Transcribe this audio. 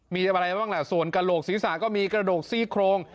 มีอะไรบ้างล่ะส่วนกระโหลกศีรษะก็มีกระดูกซี่โครง